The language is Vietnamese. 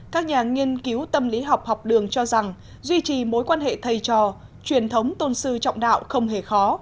các nhà nghiên cứu tâm lý học học đường cho rằng duy trì mối quan hệ thầy trò truyền thống tôn sư trọng đạo không hề khó